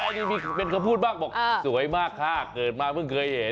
อันนี้มีเป็นคำพูดบ้างบอกสวยมากค่ะเกิดมาเพิ่งเคยเห็น